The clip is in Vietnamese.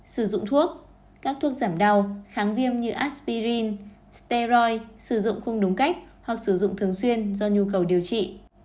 sử dụng thuốc các thuốc giảm đau kháng viêm như aspirin stery sử dụng không đúng cách hoặc sử dụng thường xuyên do nhu cầu điều trị